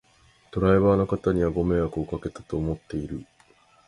ドライバーの方にはご迷惑をかけたと思っている